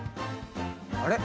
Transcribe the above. あれ？